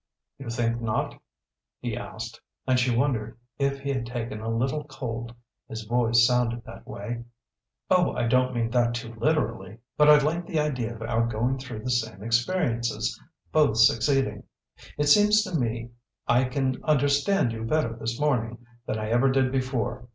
"You think not?" he asked and she wondered if he had taken a little cold; his voice sounded that way. "Oh I don't mean that too literally. But I like the idea of our going through the same experiences both succeeding. It seems to me I can understand you better this morning than I ever did before.